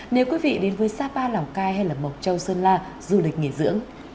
nếu quý vị đến với sapa lào cai hay là mộc châu sơn la du lịch nghỉ dưỡng